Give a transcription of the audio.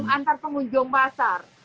antar pengunjung pasar